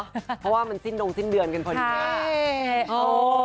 เพราะว่ามันสิ้นโดงสิ้นเดือนกันพอดีนะใช่โอ้